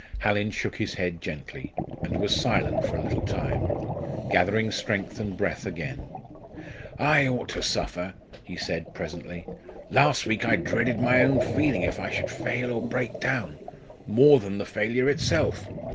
Hallin shook his head gently, and was silent for a little time, gathering strength and breath again. "I ought to suffer" he said, presently. "Last week I dreaded my own feeling if I should fail or break down more than the failure itself.